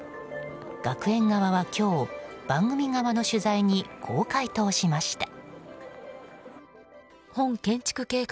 学園側は、今日番組側の取材にこう回答しました。